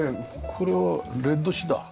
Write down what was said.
これはレッドシダー？